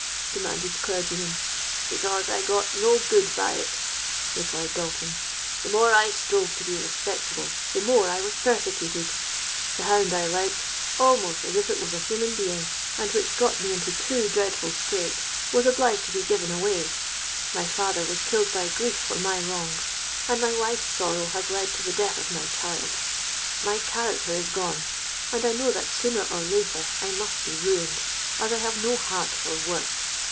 demanded the clergyman.—'Because I got no good by it,' replied Dalton. 'The more I strove to be respectable, the more I was persecuted. The hound I liked, almost as if it was a human being, and which got me into two dreadful scrapes, was obliged to be given away; my father was killed by grief for my wrongs; and my wife's sorrow has led to the death of my child. My character is gone; and I know that sooner or later, I must be ruined, as I have no heart for work.